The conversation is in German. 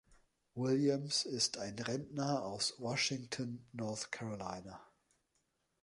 Williams ist ein Rentner aus Washington, North Carolina.